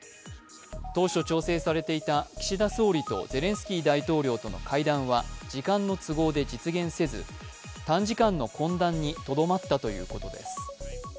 当初調整されていた岸田総理とゼレンスキー大統領との会談は時間の都合で実現せず、短時間の懇談にとどまったということです。